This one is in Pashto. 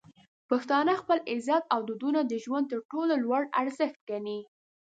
پښتانه خپل عزت او دودونه د ژوند تر ټولو لوړ ارزښت ګڼي.